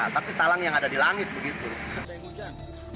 tapi talang yang ada di langit begitu